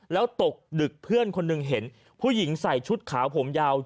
แล้วตกดึกเพื่อนคนหนึ่งเห็นผู้หญิงใส่ชุดขาวผมยาว